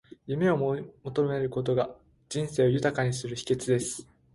夢を追い求めることが、人生を豊かにする秘訣です。